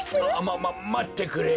まままってくれ！